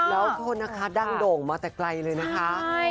แล้วโทษนะคะดังโด่งมาแต่ไกลเลยนะคะ